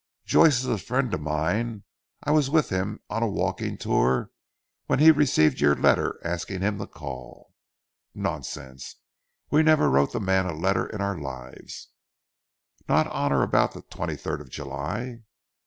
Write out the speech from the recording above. "Joyce is a friend of mine. I was with him on a walking tour when he received your letter asking him to call." "Nonsense. We never wrote the man a letter in our lives!" "Not on or about the twenty third of July?"